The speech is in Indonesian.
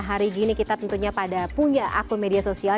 hari gini kita tentunya pada punya akun media sosial